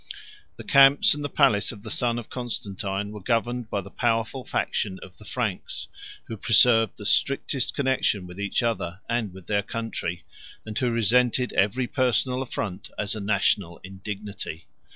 The camps and the palace of the son of Constantine were governed by the powerful faction of the Franks, who preserved the strictest connection with each other, and with their country, and who resented every personal affront as a national indignity.